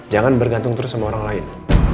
jangan bergantung terus sama orang lain